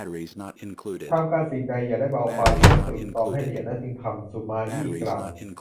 ทำการสิ่งใดอย่าได้เบาความ จงตรึกตรองให้ละเอียดแล้วจึงทำ สุมาอี้กล่าว